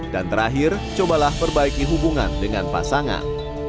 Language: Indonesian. dan terakhir cobalah perbaiki hubungan dengan pasangan